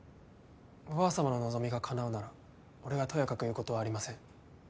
おばあさまの望みが叶うなら俺がとやかく言うことはありません。